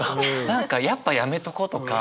何かやっぱやめとことか。